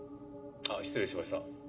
あぁ失礼しました。